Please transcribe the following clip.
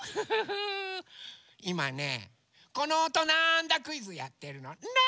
いまねこのおとなんだクイズやってるのね。